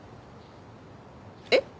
えっ？